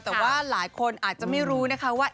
แต่ว่าหลายคนอาจจะไม่รู้นะคะว่า